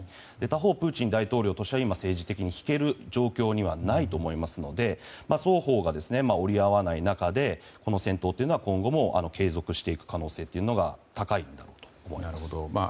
他方、プーチン大統領としては今、政治的に引ける状況にはないと思いますので双方が折り合わない中でこの戦闘は今後も継続していく可能性が高いと思います。